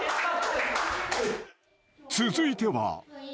［続いては］